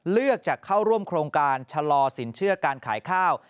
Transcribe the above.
เลือกจะเข้าร่วมโครงการชะลอสินเชื่อการขายข้าว